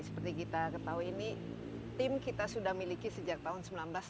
seperti kita ketahui ini tim kita sudah miliki sejak tahun seribu sembilan ratus delapan puluh